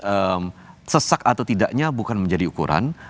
apakah itu berarti kita bisa bekerja sama